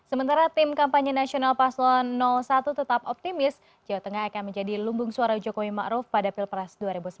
sementara tim kampanye nasional paslon satu tetap optimis jawa tengah akan menjadi lumbung suara jokowi ⁇ maruf ⁇ pada pilpres dua ribu sembilan belas